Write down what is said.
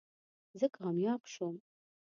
زه کامیاب شوم